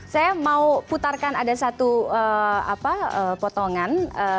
saya mau putarkan ada satu potongan